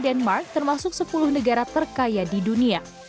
denmark adalah salah satu negara yang paling kaya di dunia